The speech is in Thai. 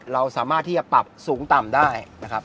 เราสามารถที่จะปรับสูงต่ำได้นะครับ